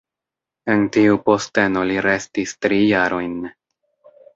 En tiu posteno li restis tri jarojn.